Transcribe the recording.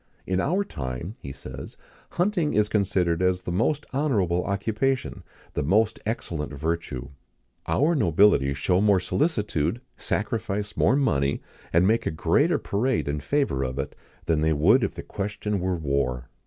"In our time," he says, "hunting is considered as the most honourable occupation, the most excellent virtue. Our nobility show more solicitude, sacrifice more money, and make a greater parade in favour of it, than they would if the question were war.